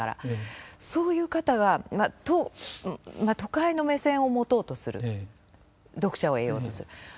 そういう方が都会の目線を持とうとする読者を得ようとする。